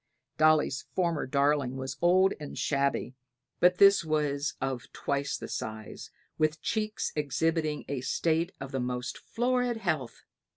Dolly's former darling was old and shabby, but this was of twice the size, and with cheeks exhibiting a state of the most florid health.